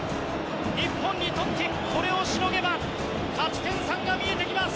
日本にとってこれをしのげば勝ち点３が見えてきます。